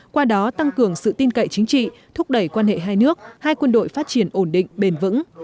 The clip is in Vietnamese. qua đó tăng cường sự tin cậy chính trị thúc đẩy quan hệ hai nước hai quân đội phát triển ổn định bền vững